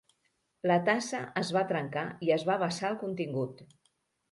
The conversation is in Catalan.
La tassa es va trencar i es va vessar el contingut.